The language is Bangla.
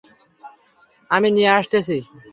আমি নিয়ে আসতেছি!